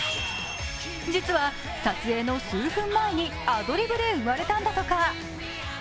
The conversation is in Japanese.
実は、撮影の数分前にアドリブで生まれたんだとか。